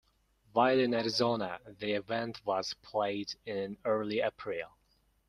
While in Arizona, the event was played in early April.